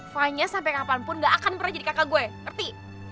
fanya sampai kapanpun gak akan pernah jadi kakak gue ngerti